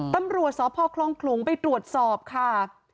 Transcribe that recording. ตำรวจสพคลองขลุงไปตรวจสอบค่ะ